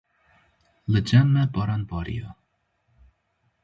Li cem me baran barîya